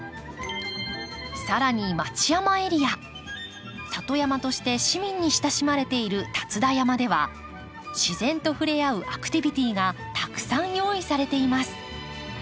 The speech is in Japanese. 更に里山として市民に親しまれている立田山では自然と触れ合うアクティビティがたくさん用意されています。